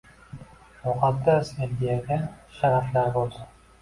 Muqaddas Eligiyaga sharaflar bo`lsin